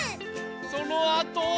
そのあとは。